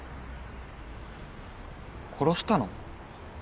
殺したの？